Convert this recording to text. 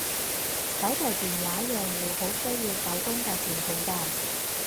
手提電話用戶好需要九宮格鍵盤㗎